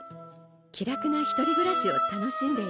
気楽な１人暮らしを楽しんでいる。